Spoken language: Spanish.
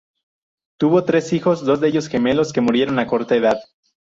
Tuvo tres hijos, dos de ellos gemelos, que murieron a corta edad.